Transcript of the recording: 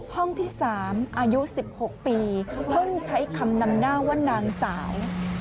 ห้องที่๓อายุ๑๖ปีเพิ่งใช้คำนำหน้าว่านางสาว